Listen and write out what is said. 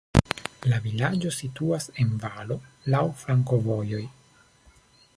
La vilaĝo situas en valo, laŭ flankovojoj.